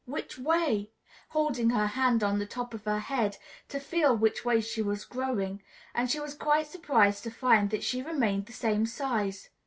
Which way?" holding her hand on the top of her head to feel which way she was growing; and she was quite surprised to find that she remained the same size.